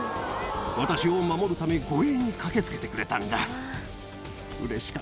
私を守るため護衛に駆けつけてくれたんだ。